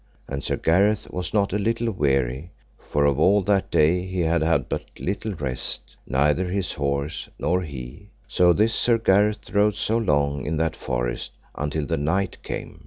And Sir Gareth was not a little weary, for of all that day he had but little rest, neither his horse nor he. So this Sir Gareth rode so long in that forest until the night came.